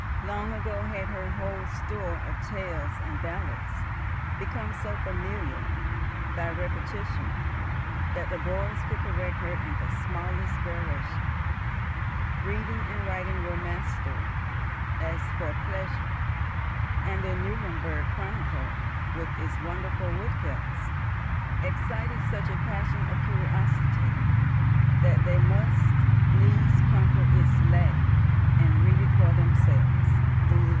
Long ago had her whole store of tales and ballads become so familiar, by repetition, that the boys could correct her in the smallest variation; reading and writing were mastered as for pleasure; and the Nuremberg Chronicle, with its wonderful woodcuts, excited such a passion of curiosity that they must needs conquer its Latin and read it for themselves.